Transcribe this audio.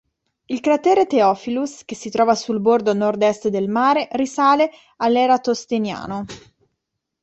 Il cratere Theophilus, che si trova sul bordo nord-est del mare, risale all'Eratosteniano.